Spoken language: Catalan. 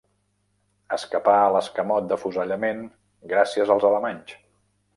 Escapà a l'escamot d'afusellament gràcies als alemanys.